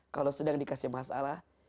kalau sedang dikasih masalah